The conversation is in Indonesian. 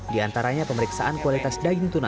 diantaranya pemeriksaan kualitas daging tuna